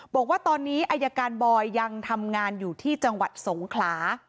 บอกว่าตอนนี้อายการบอยยังทำงานอยู่ที่จังหวัดสงขลา